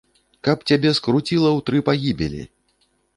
Каб цябе скруціла ў тры пагібелі!